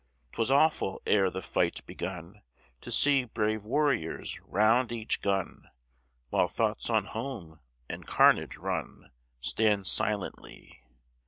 'Twas awful, ere the fight begun, To see brave warriors round each gun, While thoughts on home and carnage run, Stand silently.